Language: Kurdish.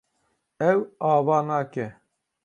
Ew ava nake.